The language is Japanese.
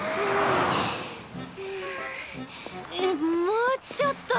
もうちょっと。